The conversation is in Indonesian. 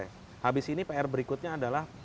habis ini pr berikutnya adalah